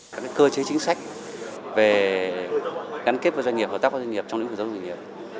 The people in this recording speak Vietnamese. các cơ chế chính sách về gắn kết với doanh nghiệp hợp tác với doanh nghiệp trong những hướng dẫn doanh nghiệp